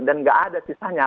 dan tidak ada sisanya